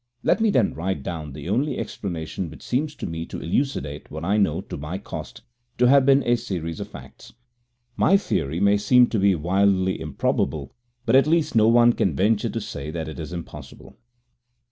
Let me then write down the only explanation which seems to me to elucidate what I know to my cost to have been a series of facts. My theory may seem to be wildly improbable, but at least no one can venture to say that it is impossible.